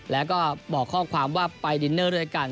แล้วก็บอกข้อความว่าไปดินเนอร์ด้วยกัน